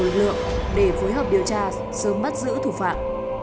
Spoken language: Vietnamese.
lực lượng để phối hợp điều tra sớm bắt giữ thủ phạm